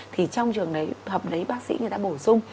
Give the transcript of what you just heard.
thì trong trường hợp đấy bác sĩ người ta bổ sung